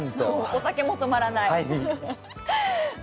お酒も止まらない。